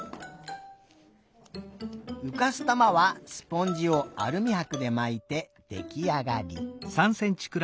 うかす玉はスポンジをアルミはくでまいてできあがり。